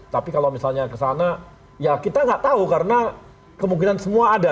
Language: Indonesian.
tapi kalau misalnya kesana ya kita gak tau karena kemungkinan semua ada